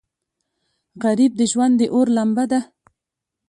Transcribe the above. غریب د ژوند د اور لمبه ده